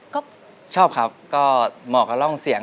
ก็ชอบครับก็เหมาะกับร่องเสียง